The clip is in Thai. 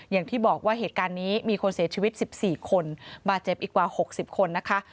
อย่างที่บอกว่าเหตุการณ์นี้มีคนเสียชีวิต๑๔คนบาดเจ็บอีกกว่า๖๐คนนะคะ